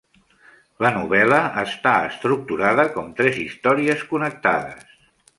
La novel·la està estructurada com tres històries connectades.